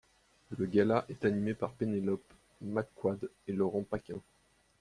Le gala est animé par Pénélope McQuade et Laurent Paquin.